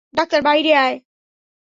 Doctor, বাইরে আয়!